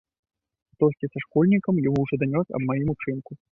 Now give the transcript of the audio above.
Хтосьці са школьнікаў яму ўжо данёс аб маім учынку.